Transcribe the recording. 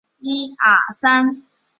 因此而得名。